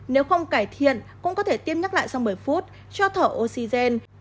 nếu không cải thiện cũng có thể tiêm nhắc lại sau một mươi phút cho thở oxygen